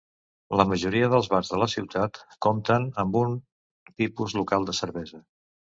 La majoria dels bars de la ciutat compten amb un tipus local de cervesa.